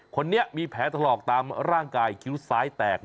คนนี้มีแผลถลอกตามร่างกายคิ้วซ้ายแตก